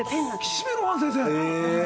岸辺露伴先生。